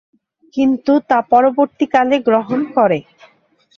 কিন্তু তা পরবর্তীকালে গ্রহণ করে।